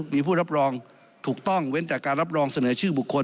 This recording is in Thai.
มีผู้รับรองถูกต้องเว้นจากการรับรองเสนอชื่อบุคคล